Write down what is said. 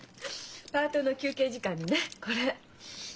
パートの休憩時間にねこれ。